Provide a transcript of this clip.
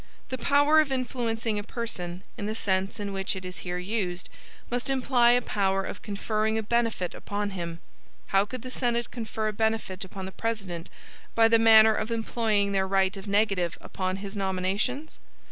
The power of influencing a person, in the sense in which it is here used, must imply a power of conferring a benefit upon him. How could the Senate confer a benefit upon the President by the manner of employing their right of negative upon his nominations?